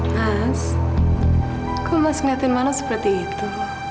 mas kok masnya teman teman seperti itu